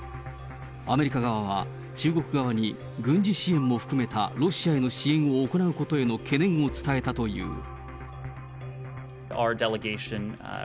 アメリカ側は、中国側に軍事支援も含めたロシアへの支援を行うことへの懸念を伝えたという。